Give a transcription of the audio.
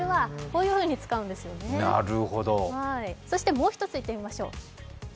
もう１ついってみましょう。